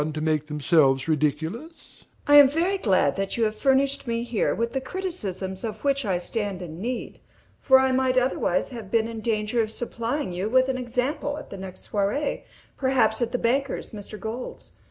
I am very glad that you have furnished me here with the criticisms of which I stand in need; for I might otherwise have been in danger of supplying you with an example at the next soirée, perhaps at the banker's, Mr. Gold's.